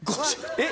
えっ？